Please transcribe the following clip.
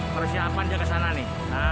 persiapan dia kesana nih